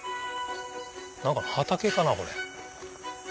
何か畑かなこれ。